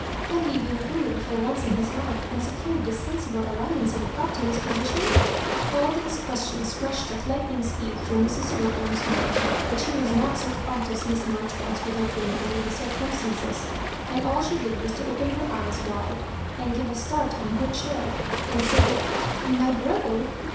had he been prudent for once in bis life, and secured this sensible alliance and prop to his position f All these questions rushed at lightning speed through Mrs. Woodbum's mind ; but she was not so prompt as Miss Mar joribanks would have been und, er the circum stances, and all she did was to open her eyes wide, and give a start on h&r chair, and say, " My brother